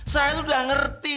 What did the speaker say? saya itu udah ngerti